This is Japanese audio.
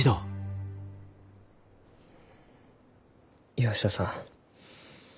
岩下さん